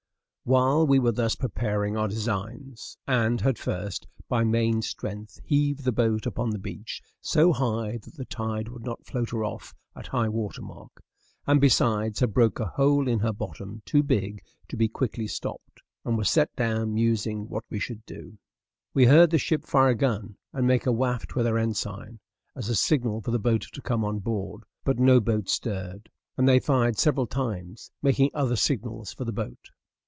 ] While we were thus preparing our designs, and had first, by main strength, heaved the boat upon the beach so high that the tide would not float her off at high water mark, and besides had broke a hole in her bottom too big to be quickly stopped, and were set down musing what we should do, we heard the ship fire a gun, and make a waft with her ensign as a signal for the boat to come on board but no boat stirred; and they fired several times, making other signals for the boat.